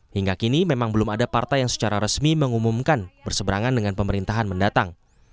hingga kini memang belum ada partai yang secara resmi mengumumkan berseberangan dengan pemerintahan mendatang